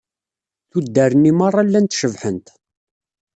Tuddar-nni merra llant cebḥent.